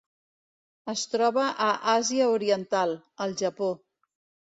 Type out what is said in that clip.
Es troba a Àsia Oriental: el Japó.